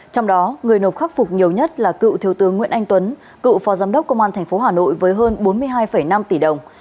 trong đó người nộp khắc phục nhiều nhất là cựu thiếu tướng nguyễn anh tuấn cựu phó giám đốc công an tp hà nội với hơn bốn mươi hai năm tỷ đồng